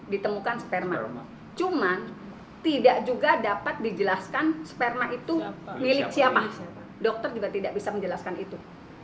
ditemukan sperma cuma tidak juga dapat dijelaskan sperma itu milik siapa dokter juga tidak bisa menjelaskan itu